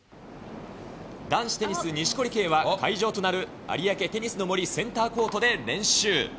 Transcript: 男子テニス、錦織圭は、会場となる有明テニスの森センターコートで練習。